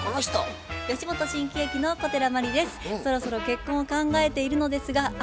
そろそろ結婚を考えているのですが相手がいません。